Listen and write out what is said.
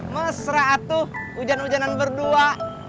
mesra atuh hujan hujanan berdua